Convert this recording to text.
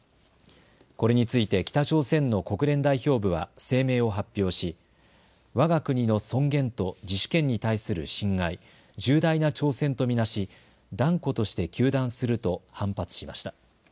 これについて北朝鮮の国連代表部は声明を発表しわが国の尊厳と自主権に対する侵害、重大な挑戦と見なし断固として糾弾すると反発しました。